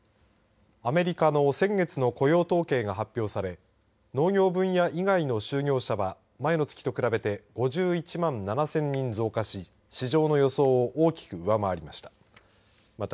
アメリカの先月の雇用統計が発表され農業分野以外の就業者は前の月と比べて５１万７０００人増加し市場の予想を大きく上回りました。